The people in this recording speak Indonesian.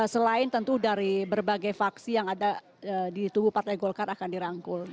selain tentu dari berbagai faksi yang ada di tubuh partai golkar akan dirangkul